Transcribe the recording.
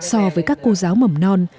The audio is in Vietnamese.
so với các cô giáo mầm non